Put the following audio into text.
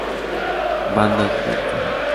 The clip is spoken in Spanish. Bandas de Viento.